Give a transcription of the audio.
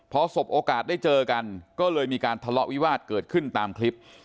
พอสบโอกาสได้เจอกันก็เลยมีการทะเลาะวิวาสเกิดขึ้นตามคลิป